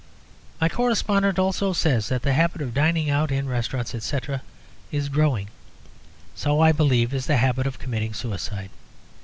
My correspondent also says that the habit of dining out in restaurants, etc., is growing. So, I believe, is the habit of committing suicide.